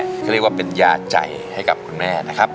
เขาเรียกว่าเป็นยาใจให้กับคุณแม่นะครับ